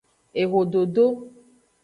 Ehododo.